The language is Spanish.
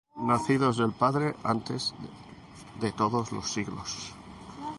nacido del Padre antes de todos los siglos: